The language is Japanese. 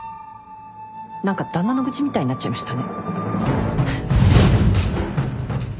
何か旦那の愚痴みたいになっちゃいましたね。